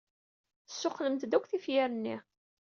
Tessuqqlem-d akk tifyar-nni.